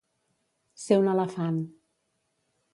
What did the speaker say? Ser un elefant.